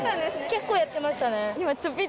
結構やってましたね。